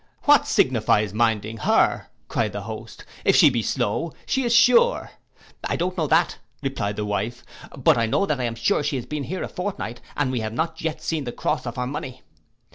'—'What signifies minding her,' cried the host, 'if she be slow, she is sure.'—'I don't know that,' replied the wife; 'but I know that I am sure she has been here a fortnight, and we have not yet seen the cross of her money.